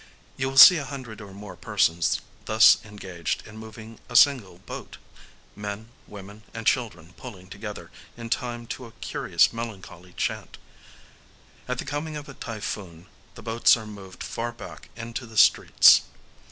You will see a hundred or more persons thus engaged in moving a single boat,—men, women, and children pulling together, in time to a curious melancholy chant. At the coming of a typhoon, the boats are moved far back into the streets.